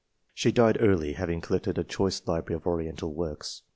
She died early, having collected a choice library of Oriental works.